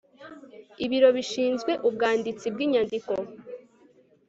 ibiro bishinzwe ubwanditsi bw inyandiko